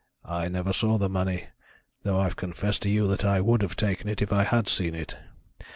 "I never saw the money, though I've confessed to you that I would have taken it if I had seen it.